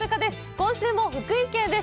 今週も福井県です。